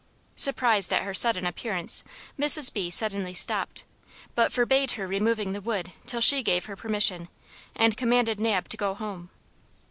Surprised at her sudden appearance, Mrs. B. suddenly stopped, but forbade her removing the wood till she gave her permission, and commanded Nab to go home.